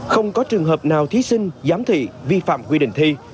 không có trường hợp nào thí sinh giám thị vi phạm quy định thi